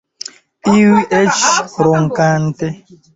Iuj eĉ ronkante.